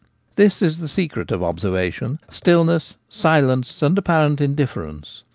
This is the secret of observation : stillness, silence, and apparent indifference.